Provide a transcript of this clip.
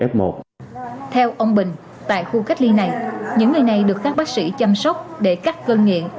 ngoài việc cắt cơn nghiện các bác sĩ cũng được cắt cơn nghiện